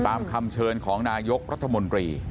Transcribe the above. ตามคำเชิญของนายกรัฐมนตรี